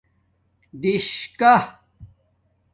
دِݽکہ